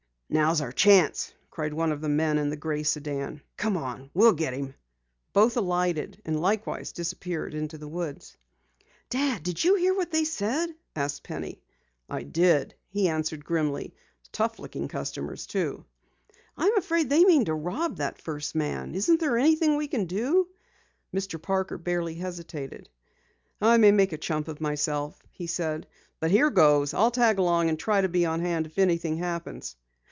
"Now's our chance!" cried one of the men in the gray sedan. "Come on, we'll get him!" Both alighted and likewise disappeared into the woods. "Dad, did you hear what they said?" asked Penny. "I did," he answered grimly. "Tough looking customers too." "I'm afraid they mean to rob that first man. Isn't there anything we can do?" Mr. Parker barely hesitated. "I may make a chump of myself," he said, "but here goes! I'll tag along and try to be on hand if anything happens."